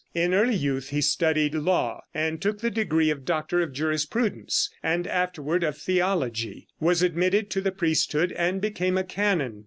In early youth he studied law, and took the degree of doctor of jurisprudence, and afterward of theology; was admitted to the priesthood, and became a canon.